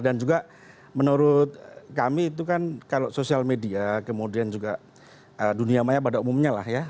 dan juga menurut kami itu kan kalau sosial media kemudian juga dunia maya pada umumnya lah ya